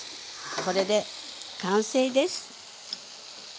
これで完成です。